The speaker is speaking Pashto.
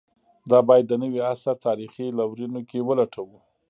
دا باید د نوي عصر تاریخي لورینو کې ولټوو.